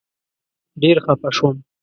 ډېر خپه شوم.